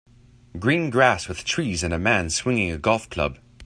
green grass with trees and a man swinging a golf club.